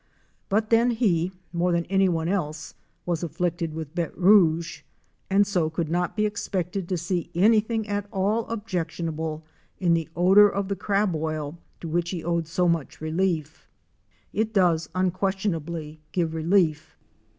But then he, more than anyone else, was afflicted with béte rouge; and so could not be expected to see anything at all objectionable in the odor of the crab oil to which he owed so much relief. It does unquestionably give relief.